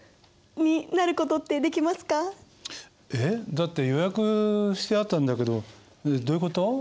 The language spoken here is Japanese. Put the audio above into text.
だって予約してあったんだけどどういう事？